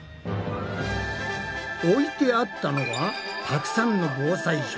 置いてあったのはたくさんの防災食。